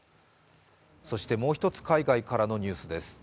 そしてもう１つ、海外からのニュースです。